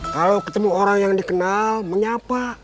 kalau ketemu orang yang dikenal menyapa